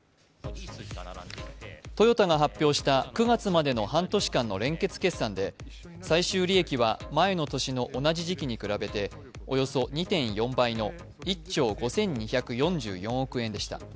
トヨタが発表した９月までの半年間の連結決算で最終利益は前の年の同じ時期に比べておよそ２．４杯の１兆５２４４億円でした。